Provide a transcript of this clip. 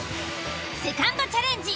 セカンドチャレンジ